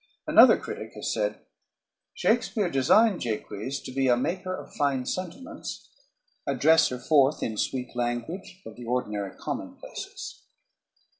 Another critic has said, "Shakespeare designed Jaques to be a maker of fine sentiments, a dresser forth in sweet language of the ordinary commonplaces...."